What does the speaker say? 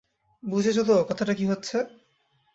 বুঝেছ তো কী কথাটা হচ্ছে?